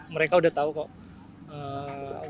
mereka udah tau kok ee